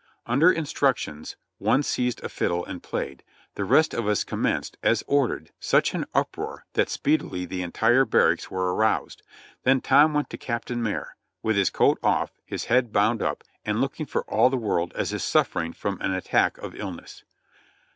Under instructions, one seized a fiddle and played, the rest of us commenced, as ordered, such an uproar that speedily the en tire barracks were aroused; then Tom went to Captain Marye, with his coat off, his head bound up, and looking for all the world as if suffering from an attack of illness.